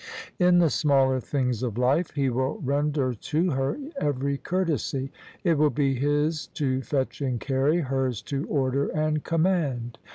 In the smaller things of life he will render to her every courtesy — it will be his to fetch and carry, hers to order and command.